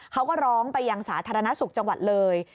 เขาก็ร้องไปยังสาธารณสุขจังหวัดเลย